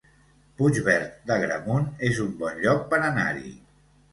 Puigverd d'Agramunt es un bon lloc per anar-hi